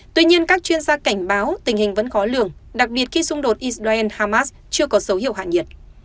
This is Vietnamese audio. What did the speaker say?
tuy nhiên các chuyên gia cảnh báo tình hình vẫn khó lường đặc biệt khi xung đột israel hamas chưa có dấu hiệu hạ nhiệt